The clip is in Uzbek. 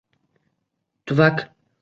— Tuvak?